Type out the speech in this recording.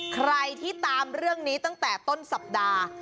ใครที่ตามเรื่องนี้ตั้งแต่ต้นสัปดาห์